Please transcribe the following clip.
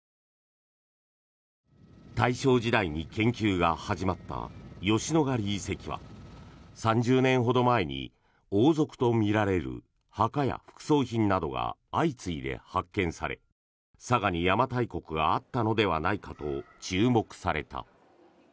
大正時代に研究が始まった吉野ヶ里遺跡は３０年ほど前に王族とみられる墓や副葬品などが相次いで発見され佐賀に邪馬台国があったのではないかと注目された。